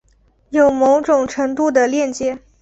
有某种程度的链接